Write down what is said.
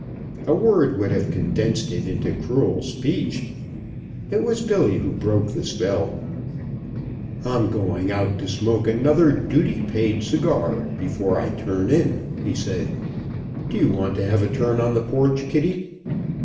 A word would have condensed it into cruel speech. It was Billy who broke the spell. "I'm going out to smoke another duty paid cigar before I turn in," he said. "Do you want to have a turn on the porch, Kitty?"